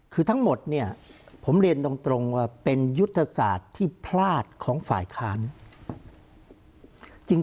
คือทั้งหมดเนี่ยผมเรียนตรงว่าเป็นยุทธศาสตร์ที่พลาดของฝ่ายค้าน